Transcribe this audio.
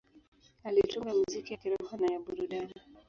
Alitunga muziki ya kiroho na ya burudani.